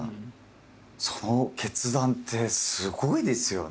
その決断ってすごいですよね。